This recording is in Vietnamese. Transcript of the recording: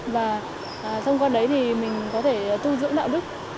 và thông qua đấy thì mình có thể tu dưỡng đạo đức